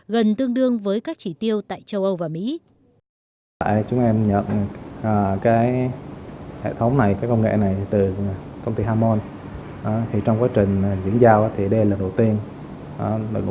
gần tương đương với các chỉ tiêu tại châu âu